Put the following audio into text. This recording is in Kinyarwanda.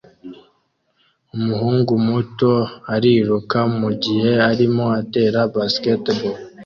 Umuhungu muto ariruka mugihe arimo atera basketball